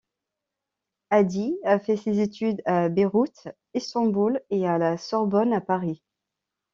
Hadi a fait ses études à Beyrouth, Istanbul, et à la Sorbonne à Paris.